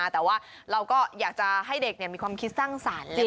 แต่ว่าเราก็อยากจะให้เด็กมีความคิดสร้างสรรค์